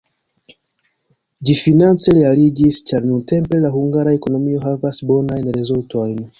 Ĝi finance realiĝis, ĉar nuntempe la hungara ekonomio havas bonajn rezultojn.